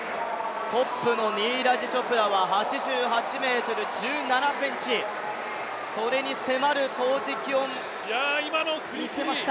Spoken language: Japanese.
トップのニーラージ・チョープラーは８８ｍ１７ｃｍそれに迫る投てきを見せました。